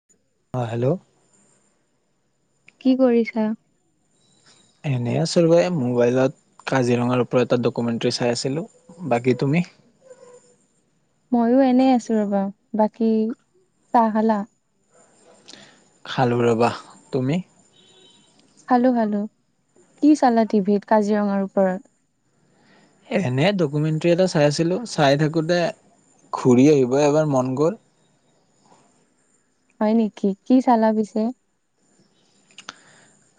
[inaudible] অ hello. কি কৰিছা? এনেই আছো এ মোবাইলত কাজিৰঙাৰ ওপৰত এটা ডকুমেণ্টেৰী চাই আছিলোঁ। বাকী তুমি? মইও এনে আছো ৰবা, বাকী চাহ খালা? খালোঁ ৰ'বা, তুমি? খালো খালো, কি চালা টিভিত কাজিৰঙাৰ ওপৰত? এনেই ডকুমেণ্টেৰী এটা চাই আছিলোঁ চাই থাকোঁতে ঘূৰি আহিব এবাৰ মন গ'ল। হয় নেকি, কি চালা পিছে?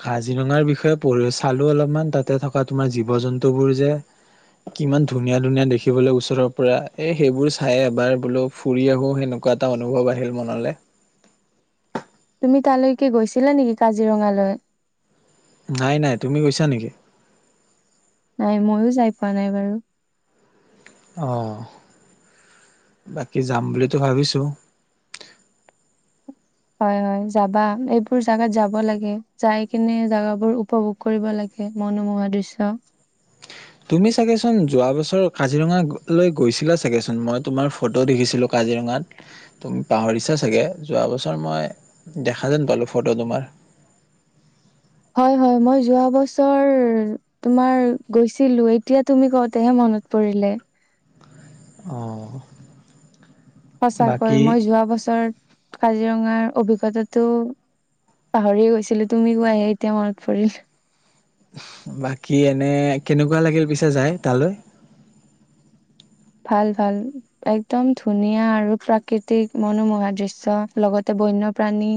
কাজিৰঙাৰ বিষয়ে পঢ়ি চালো অলপমান তাতে থকা তোমাৰ জীৱ জন্তুবোৰ যে কিমান ধুনীয়া ধুনীয়া দেখিবলৈ ওচৰৰ পৰা এ সেইবোৰ চাই এবাৰ বোলো। ফুৰি আহোঁ সেনেকুৱা এটা অনুভৱ আহিল মনলে। তুমি তালৈকে কি গৈছিলা নেকি কাজিৰঙালৈ? নাই নাই, তুমি গৈছা নেকি? নাই মইয়ো যাই পোৱা নাই বাৰু। অঁ, বাকী যাম বুলিতো ভাবিছোঁ। হয় হয় যাবা, এইবোৰ জাগাত যাব লাগে যাই কেনে জাগাবোৰ উপভোগ কৰিব লাগে মনোমোহা দৃশ্য। তুমি চাগেচোন যোৱা বছৰ কাজিৰঙা লৈ গৈছিলা চাগেচোন, মই তোমাৰ ফটো দেখিছিলোঁ। কাজিৰঙাত। তুমি পাহৰিছা চাগে যোৱা মই দেখা যেন পালো ফটো তোমাৰ। হয় হয়, মই যোৱা বছৰ তোমাৰ গৈছিলো, এতিয়া তুমি কওঁতেহে মনত পৰিলে। অঁ। সঁচাকৈ মই যোৱা বছৰত কাজিৰঙাৰ অভিজ্ঞতাটো পাহৰিয়ে গৈছিলো, তুমি কোৱাহে এতিয়া মনত পৰিল। বাকী এনে কেনেকুৱা লাগিল পিছে যায় তালৈ? ভাল ভাল। একদম ধুনীয়া আৰু প্ৰাকৃতিক মনোমোহা দৃশ্য লগতে বন্যপ্ৰাণী।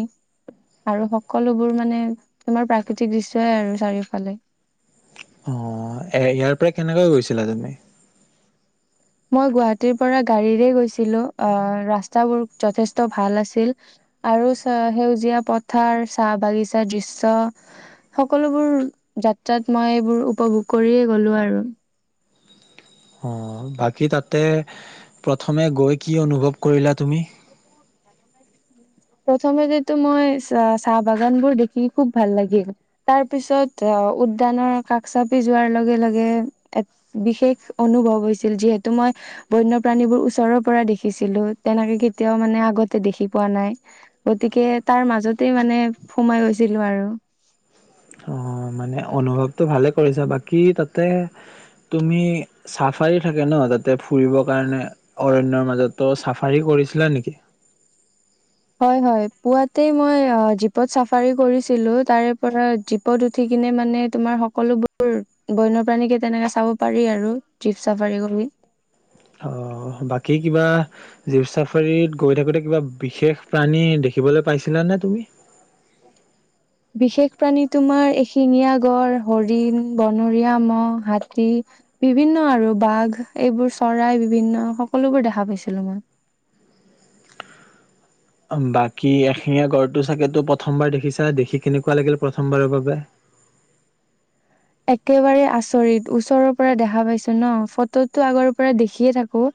আৰু সকলোবোৰ মানে তোমাৰ প্ৰাকৃতিক দৃশ্যয়ই আৰু চাৰিওফালে।। অ' এ ইয়াৰ পৰা কেনেকৈ গৈছিলা তুমি? মই গুৱাহাটীৰ পৰা গাড়ীৰে গৈছিলো, আ' ৰাস্তাবোৰ যথেষ্ট ভাল আছিল। আৰু চ সেউজীয়া পথাৰ, চাহ বাগিচা দৃশ্য। সকলোবোৰ যাত্ৰাত মই এইবোৰ উপভোগ কৰিয়ে গ'লো আৰু। অ' বাকী তাতে প্ৰথমে গৈ কি অনুভৱ কৰিলা তুমি? প্ৰথমে যিটো মই চা- চাহ বাগানবোৰ দেখি খুব ভাল লাগিল। তাৰ পিছত আহ উদ্যানৰ কাষ চাপি যোৱাৰ লগে লগে এত বিশেষ অনুভৱ হৈছিল যিহেতু মই বন্য প্ৰাণীবোৰ ওচৰৰ পৰা দেখিছিলো তেনেকে কেতিয়াও মানে আগতে দেখি পোৱা নাই। গতিকে তাৰ মাজতে মানে সোমাই গৈছিলোঁ আৰু। অ মানে অনুভৱটো ভালে কৰিছা বাকী তাতে তুমি চাফাৰী থাকে ন তাতে ফুৰিব কাৰণে অৰণ্যৰ মাজতো চাফাৰী কৰিছিলা নেকি? হয় হয় পুৱাতে মই আ জীপত চাফাৰী কৰিছিলো তাৰে পৰা জী পত উঠি কিনে মানে তোমাৰ সকলোবোৰ বন্য প্ৰাণীকে তেনেকে চাব পাৰি আৰু জীপ চাফাৰী কৰি। অহ বাকী কিবা জীপ চাফাৰীত গৈ থাকোতে কিবা বিশেষ প্ৰাণী দেখিবলৈ পাইছিলা নে তুমি? বিশেষ প্ৰাণী তোমাৰ এশিঙীয়া গড়, হৰিণ, বনৰীয়া মহ, হাতী বিভিন্ন আৰু বাঘ এইবোৰ চৰাই বিভিন্ন সকলোবোৰ দেখা পাইছিলো মই। অম বাকী এশিঙীয়া গড়টো চাগেতো প্ৰথমবাৰ দেখিছা, দেখি কেনেকুৱা লাগিল প্ৰথমবাৰৰ বাবে? একেবাৰে আচৰিত, ওচৰৰ পৰা দেখা পাইছো ন ফটোততো আগৰ পৰা দেখিয়ে থাকো।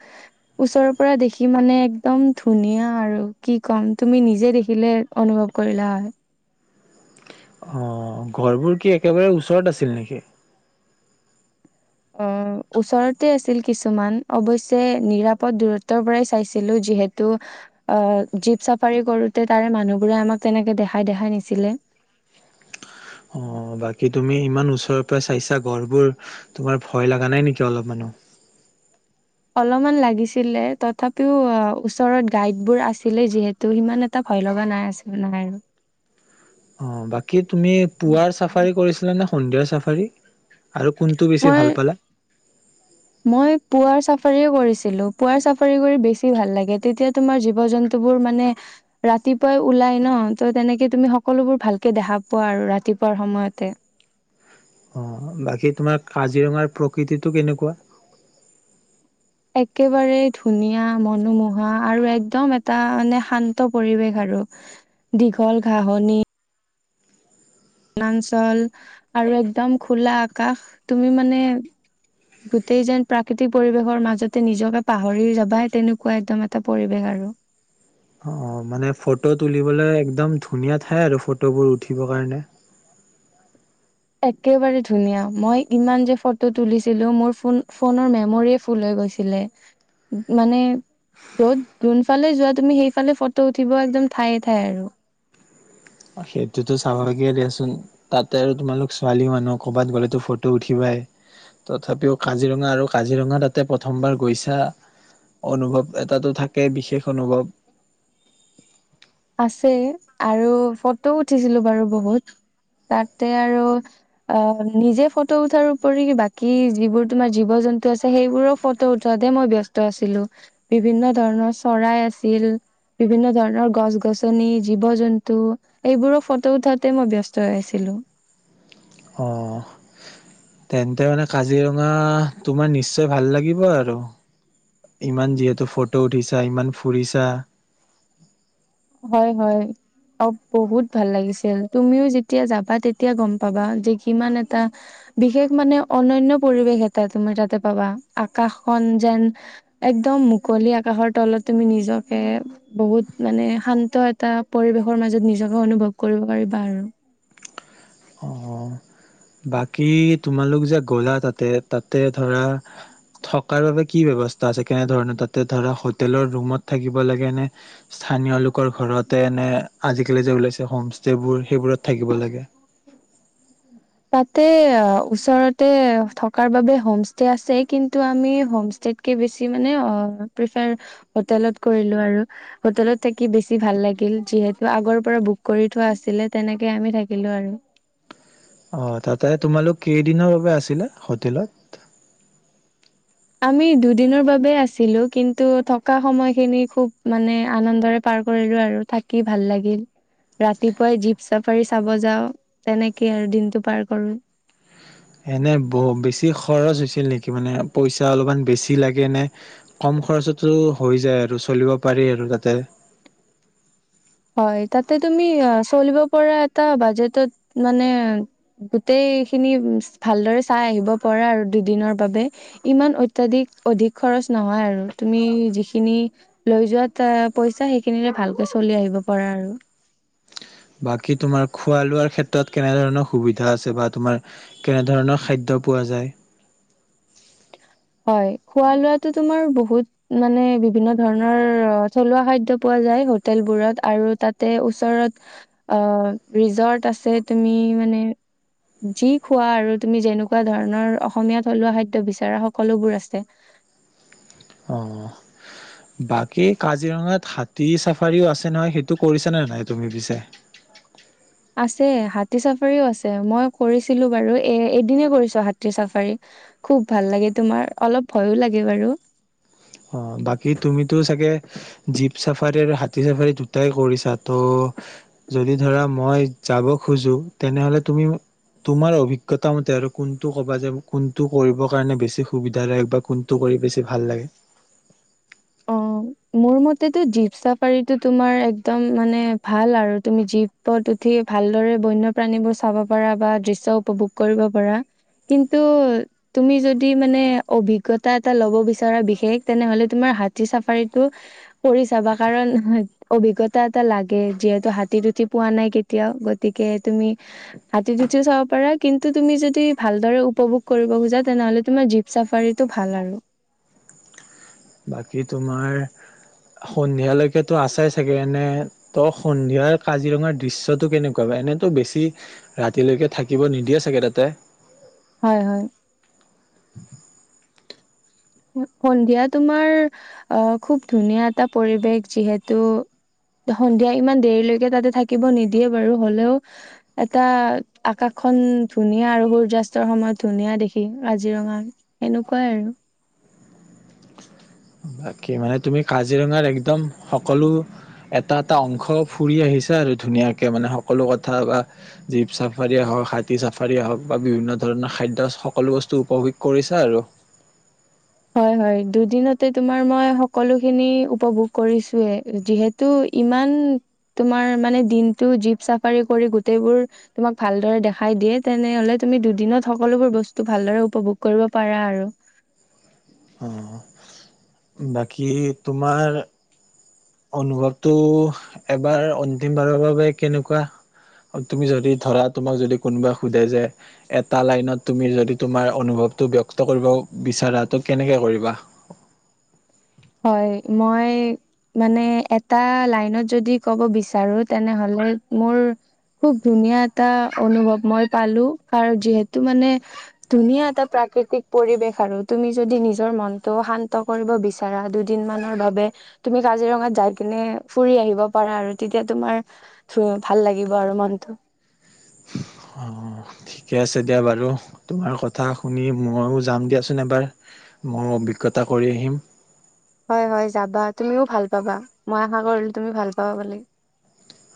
ওচৰৰ পৰা দেখি মানে একদম ধুনীয়া আৰু কি ক'ম তুমি নিজে দেখিলে অনুভৱ কৰিলা হয়। অ গঁড়বোৰ কি একেবাৰে ওচৰত আছিল নেকি? অ ওচৰতে আছিল কিছুমান, অৱশ্যে নিৰাপদ দূৰত্বৰ পৰাই চাইছিলো যিহে টো অ জীপ চাফাৰী কৰোতে তাৰে মানুহবোৰে আমাক তেনেকে দেখাই দেখাই নিছিলে। অ বাকী তুমি ইমান ওচৰৰ পৰা চাইছা গঁড়বোৰ তোমাৰ ভয় লগা নাই নেকি অলপমানো? অলপমান লাগিছিলে তথাপিও আ ওচৰত গাইডবোৰ আছিলে যিহে তো সিমান এটা ভয় লগা নাই [unintelligible] নাই। অ, বাকী তুমি পুৱাৰ চাফাৰী কৰিছিলা নে সন্ধিয়াৰ চাফাৰী? আৰু কোনটো বেছি মই ভাল পালা? মই পুৱাৰ চাফাৰীও কৰিছিলো, পুৱাৰ চাফাৰী কৰি বেছি ভাল লাগে তেতিয়া তোমাৰ জীৱ জন তোবোৰ মানে ৰাতিপুৱাই ওলাই ন, ত তেনেকে তুমি সকলোবোৰ ভালকে দেখা পোৱা আৰু ৰাতিপুৱাৰ সময়তে। অঁ বাকী তোমাৰ কাজিৰঙাৰ প্ৰকৃতিটো কেনেকুৱা? একেবাৰে ধুনীয়া, মনোমোহা আৰু একদম এটা মানে শান্ত পৰিৱেশ আৰু। দীঘল ঘাঁহনি বনাঞ্চল আৰু একদম খোলা আকাশ তুমি মানে গোটেই যেন প্ৰাকৃতিক পৰিবেশৰ মাজতে নিজকে পাহৰি যাবা তেনেকুৱা একদম এটা পৰিবেশ আৰু। অ মানে ফটো তুলিবলৈ একদম ধুনীয়া ঠাই আৰু ফটোবোৰ উঠিবৰ কাৰণে। একেবাৰে ধুনীয়া, মই ইমান যে ফটো তুলিছিলো মোৰ ফোন ফোনৰ মেমৰিয়ে ফুল হৈ গৈছ ছিলে মানে য'ত যোনফালে যোৱা তুমি সেইফালে ফটো উঠিব একদম ঠায়ে ঠাই আৰু। অ সেইটোতো স্বাভাৱিকে দিয়াচোন। তাতে আৰু তোমালোক ছোৱালী মানুহ ক'বাত গ'লেতো ফটো উঠিবাই। তথাপিও কাজিৰঙা আৰু কাজিৰঙা তাতে প্ৰথমবাৰ গৈছা। অনুভৱ এটাটো থাকেই বিশেষ অনুভৱ। আছে আৰু ফটো উঠিছিলো বাৰু বহুত তাতে আৰু, আ নিজে ফটো উঠাৰ উপৰিও বাকী যিবোৰ তোমাৰ জীৱ জন্তু আছে সেইবোৰৰ ফ টো উঠোৱাতে মই ব্যস্ত আছিলো। বিভিন্ন ধৰণৰ চৰাই আছিল বিভিন্ন ধৰণৰ গছ গছনি জীৱ জন্তু এইবোৰৰ ফটো উঠোৱাতে মই ব্যস্ত হৈ আছিলো। অঁ তেন্তে মানে কাজিৰঙা তোমাৰ নিশ্চয় ভাল লাগিব আৰু, ইমান যিহেতু ফটো উঠিছা ইমান ফুৰিছা। হয় হয়। অ বহুত ভাল লাগিছিল তুমিও যেতিয়া যাবা তেতিয়া গম পাবা যে কিমান এটা, বিশেষ মানে অনন্য পৰিৱেশ এটা তুমি তাতে পাবা আকাশখন‌ যেন, একদম, মুকলি আকাশৰ তলত, তুমি নিজকে বহুত মানে, শান্ত, এটা পৰিৱেশৰ মাজত নিজকে, অনুভৱ কৰিব পাৰিবা আৰু, অঁ। বাকী, তোমালোক যে গ'লা তাতে, তাতে ধৰা থকাৰ বাবে কি ব্যৱস্থা আছে কেনেধৰণৰ, তাতে ধৰা হোটেলৰ ৰুমত, থাকিব লাগে নে, স্থানীয় ঘৰতে নে, আজিকালি যে ওলাইছে, হোম ষ্টেবোৰ, সেইবোৰত থাকিব লাগে? [inaudible] তাতে, ওচৰতে থকাৰ বাবে হোম ষ্টে আছে, কিন্তু আমি হোম ষ্টেট, কে বেছি মানে, আ প্ৰিফাৰ হোতেলত কৰিলো আৰু, হোটেলত থাকি, বেছি ভাল লাগিল। যিহেতু আগৰ পৰা বুক, কৰি থোৱা আছিলে, তেনেকে আমি থাকিলো আৰু। অঁ', তাতে তোমালোক, কেইদিনৰ বাবে আছিলে হোটেলত? আমি, দুদিনৰ বাবে আছিলো। কিন্তু থকা সময়খিনি, খুব মানে মানে আনন্দৰে পাৰ কৰিলো আৰু, থাকি ভাল লাগিল। ৰাতিপুৱাই, জীপ চাফাৰি চাব যাওঁ। তেনেকেই আৰু দিনটো পাৰ কৰো। এনে, ব বেছি খৰচ হৈছিল নেকি? মানে পইচা অলপমান, বেছি লাগে নে, কম খৰচতো হৈ যায় আৰু, চলিব পাৰি আৰু তাতে। হয়, তাতে তুমি আ চলিব পৰা এটা বাজেটত মানে, গোটেই খিনি, ভালদৰে চাই আহিব পৰা আৰু দুদিনৰ বাবে। ইমান অত্যাধিক অধিক খৰচ নহয় আৰু, তুমি যিখিনি লৈ যোৱাত পইচা, সেইখিনিৰে ভালকে চলি আহিব পাৰা আৰু। বাকী তোমাৰ, খোৱা লোৱাৰ ক্ষেত্ৰত, কেনেধৰণৰ সুবিধা আছে বা তোমাৰ, কেনেধৰণৰ খাদ্য পোৱা যায়? হয়, খোৱা লোৱাটো তোমাৰ বহুত, মানে, বিভিন্ন ধৰণৰ থলুৱা খাদ্য পোৱা যায়, হোটেলবোৰত আৰু তাতে ওচৰত, অ', ৰিজৰ্ট আছে, তুমি মানে যি খোৱা আৰু তুমি যেনেকুৱা ধৰণৰ, অসমীয়া থলুৱা খাদ্য বিচাৰা হক, সকলোবোৰ আছে। অঁ। বাকী কাজিৰঙাত, হাতী চাফাৰীও আছে নহয়, সেইটো কৰিচানে নাই তুমি পিছে? আছে, হাতী চাফাৰীও আছে। মই কৰিছিলোঁ বাৰু, এ-এদিনে কৰিছোঁ হাতী চাফাৰী। খুব ভাল লাগে তোমাৰ, অলপ ভয়ো লাগে বাৰু। অ' বাকী তুমিতো চাগে জীপ চাফাৰী আৰু হাতী চাফাৰী দুটাই কৰিছা ত' যদি ধৰা মই যাব খোজো, তেনেহলে তুমি মো তোমাৰ অভিজ্ঞতা মতে আৰু কোনটো ক'বা যে, কোনটো কৰিব কাৰণে বেছি সুবিধা দায়ক বা কোনটো কৰি বেছি ভাল লাগে। অ মোৰ মতেতো জীপ চাফাৰীটো তোমাৰ একদম মানে ভাল আৰু, তুমি জীপ তত উঠি ভালদৰে বন্যপ্ৰাণীবোৰ চাব পাৰা বা দৃশ্য উপভোগ কৰিব পাৰা। কিন্তু তুমি যদি মানে অভিজ্ঞতা এটা ল'ব বিচাৰা বিশেষ তেনেহ'লে তোমাৰ হাতী চাফাৰীত টো কৰি চাবা কাৰণ অভিজ্ঞতা এটা লাগে, যিহেতু হাতীত উঠি পোৱা নাই কেতিয়াও, গতিকে তুমি হাতী উঠিও চাব পাৰা কিন্তু তুমি যদি ভালদৰে উপভোগ কৰিব খোজা তেনেহ'লে তোমাৰ জীপ চাফাৰীটো ভাল আৰু। বাকী তোমাৰ সন্ধিয়ালৈকেতো আছোই চাগে, নে ত' সন্ধিয়াৰ কাজিৰঙাৰ দৃশ্যটো কেনেকুৱা বা এনেতো বেছি ৰাতিলৈকে থাকিব নিদিয়ে চাগে তাতে। হয় হয়। সন্ধিয়া তোমাৰ অ' খুব ধুনীয়া এটা পৰিৱেশ যিহেতু সন্ধিয়া ইমান দেৰিলৈকে তাতে থাকিব নিদিয়ে বাৰু হ'লেও এটা আকাশখন ধুনীয়া আৰু সূৰ্যাস্তৰ সময়ত ধুনীয়া দেখি কাজিৰঙা। সেনেকুৱাই আৰু। বাকী মানে তুমি কাজিৰঙাৰ একদম সকলো এটা এটা অংশ ফুৰি আহিছা আৰু ধুনীয়াকে মানে সকলো কথা বা জীপ চাফাৰিয়ীয়ে হওক, হাতী চাফাৰীয়ে হওক বা বিভিন্ন ধৰণৰ খাদ্য সকলো বস্তু উপভোগ কৰিছা আৰু। হয় হয়, দুদিনতে তোমাৰ মই সকলোখিনি উপভোগ কৰিছোয়ে যিহে তো ইমান তোমাৰ মানে দিনটো জীপ চাফাৰী কৰি গোটেইবোৰ তোমাক ভালদৰে দেখাই দিয়ে তেনেহ'লে তুমি দুদিনত সকলোবোৰ বস্তু ভালদৰে উপভোগ কৰিব পাৰা আৰু। অ' বাকী তোমাৰ অনুভৱটো এবাৰ অন্তিম বাৰৰ বাবে কেনেকুৱা? তুমি যদি ধৰা তোমাক যদি কোনোবাই সোধে যে এটা লাইনত তুমি যদি তোমাৰ অনুভৱটো ব্যক্ত কৰিব বিচাৰা ত' কেনেকে কৰিবা? হয়, মই মানে এটা লাইনত যদি ক'ব বিচাৰো তেনেহ'লে মোৰ খুব ধুনীয়া এটা অনুভৱ মই পালোঁ, কাৰ যিহেতু মানে এটা প্ৰাকৃতিক পৰিবেশ আৰু, তুমি যদি মনটো শান্ত কৰিব বিচা তাৰা দুদিনমানৰ বাবে তুমি কাজিৰঙাত যাই কিনে ফুৰি আহিব পাৰা আৰু তেতিয়া তোমাৰ ভাল লাগিব আৰু মনটো। অ'। ঠিকে আছে দিয়া বাৰু, তোমাৰ কথা শুনি ময়ো যাম দিয়াচোন এবাৰ। মই অভিজ্ঞতা কৰি আহিম। হয় হয় যাবা, তুমিও ভাল পাবা, মই আশা কৰিলোঁ তুমি ভাল পাবা বুলি।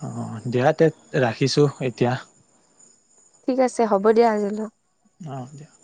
অ' দিয়া তে ৰাখিছোঁ এতিয়া। ঠিক আছে হ'ব দিয়া আজি ল [unintelligible]